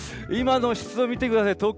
今の湿度見てください。